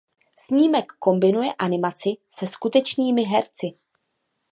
Snímek kombinuje animaci se skutečnými herci.